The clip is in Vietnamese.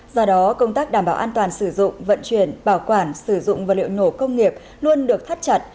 do đó công tác đảm bảo an toàn sử dụng vận chuyển bảo quản sử dụng vật liệu nổ công nghiệp luôn được thắt chặt